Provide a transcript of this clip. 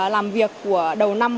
làm việc đầu năm